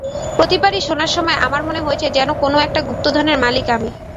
প্রতিবারই শোনার সময় আমার মনে হয়েছে যেন কোনো একটা গুপ্তধনের মালিক আমি।